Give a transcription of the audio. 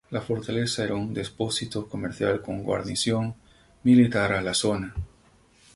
La fortaleza era un depósito comercial con guarnición militar a la zona.